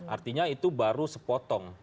artinya itu baru sepotong